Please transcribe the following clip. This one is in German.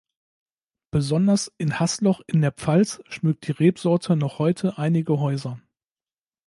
Besonders in Haßloch in der Pfalz schmückt die Rebsorte noch heute einige Häuser.